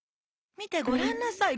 みてごらんなさい